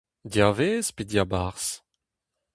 Diavaez pe diabarzh ?